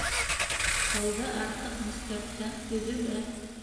Ҡылды артыҡ нескәртһәң, өҙөлә.